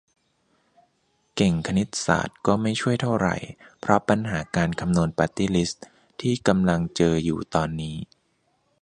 เก่งคณิตศาสตร์ก็ไม่ช่วยเท่าไร เพราะปัญหาการคำนวณปาร์ตี้ลิสต์ที่กำลังเจออยู่ตอนนี้